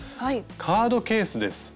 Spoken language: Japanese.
カードケースです。